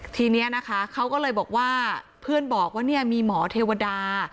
ทีนี้นะคะเขาก็เลยบอกว่าเพื่อนบอกว่าเนี่ยมีหมอเทวดา